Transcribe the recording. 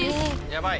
やばい！